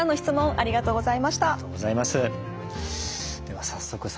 ありがとうございます。